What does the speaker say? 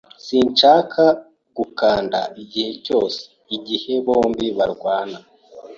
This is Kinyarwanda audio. Sinshaka gukanda igihe cyose igihe bombi barwana.